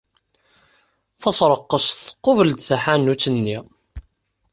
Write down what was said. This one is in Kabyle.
Tasreqqest tqubel-d taḥanut-nni.